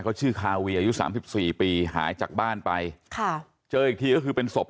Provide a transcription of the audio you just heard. เขาชื่อคาเวียอายุสามสิบสี่ปีหายจากบ้านไปค่ะเจออีกทีก็คือเป็นศพ